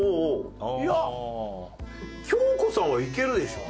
いや京子さんはいけるでしょ。